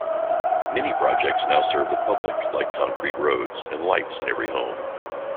Many projects now serve the public like concrete roads and lights in every home.